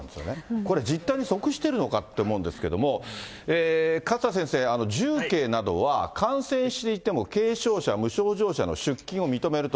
これ実態に即してるのかって思うんですけれども、勝田先生、重慶などは、感染していても軽症者、無症状者の出勤を認めると。